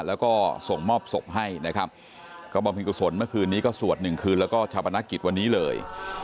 แล้วก็ส่งมอบศพให้นะครับก็บำเพ็ญกุศลเมื่อคืนนี้ก็สวดหนึ่งคืนแล้วก็ชาปนกิจวันนี้เลย